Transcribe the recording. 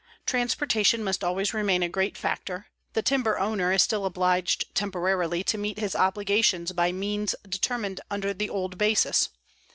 Transportation must always remain a great factor; the timber owner is still obliged temporarily to meet his obligations by means determined under the old basis.